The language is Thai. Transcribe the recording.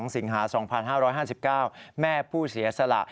สิงหา๒๕๕๙แม่ผู้เสียสละ